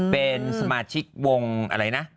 เป็นสมาชิกวงอะไรนะ